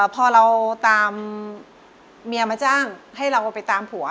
พอเราตามเมียมาจ้างให้เราไปตามผัว